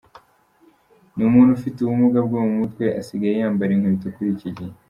N’umuntu ufite ubumuga bwo mu mutwe asigaye yambara inkweto kuri iki gihe.